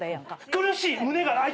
苦しい！